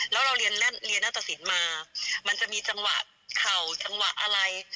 แล้วเราเรียนเรียนนัตรสินมามันจะมีจังหวะเข่าจังหวะอะไร